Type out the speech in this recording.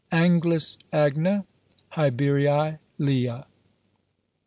ANGLIS AGNA, HIBERIÃ LEA.